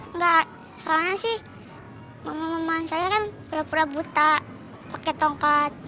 enggak soalnya sih mama mama saya kan pura pura buta pakai tongkat